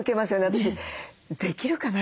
私「できるかな？